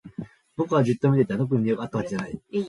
僕はじっと見ていた。特に理由があったわけじゃない。